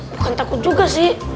bukan takut juga sih